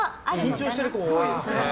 緊張してる子、多いですね。